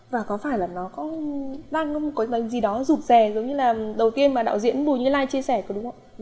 và có phải là nó đang có gì đó rụt rè giống như là đầu tiên mà đạo diễn bùi như lai chia sẻ đúng không ạ